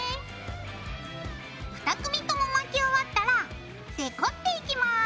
２組とも巻き終わったらデコっていきます。